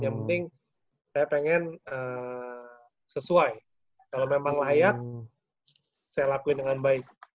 yang penting saya pengen sesuai kalau memang layak saya lakuin dengan baik